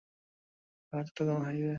Dhaka Chittagong highway.